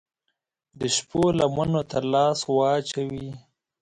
د شپو لمنو ته لاس واچوي